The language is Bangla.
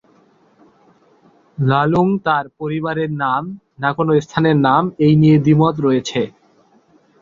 ল্হা-লুং তাঁর পরিবারের নাম না কোন স্থানের নাম এই নিয়ে দ্বিমত রয়েছে।